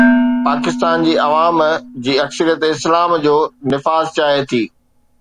پاڪستان جي عوام جي اڪثريت اسلام جو نفاذ چاهي ٿي.